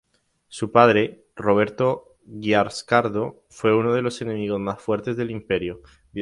Su padre, Roberto Guiscardo, fue uno de los enemigos más fuertes del Imperio.